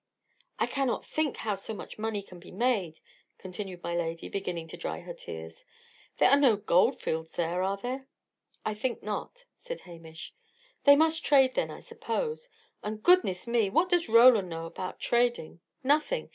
"I cannot think how so much money can be made," continued my lady, beginning to dry her tears. "There are no gold fields there, are there?" "I think not," said Hamish. "They must trade, then, I suppose. And, goodness me! what does Roland know about trading? Nothing.